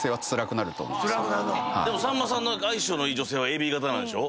でもさんまさん相性のいい女性ＡＢ型なんでしょ？